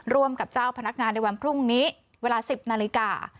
ร่วมกับเจ้าพนักงานในวันพรุ่งนี้เวลา๑๐นาฬิกา